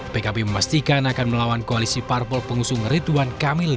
pkb memastikan akan melawan koalisi parpol pengusung ridwan kamil